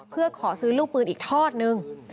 เพื่อขอซื้อลูกปืนอีกทอดนึง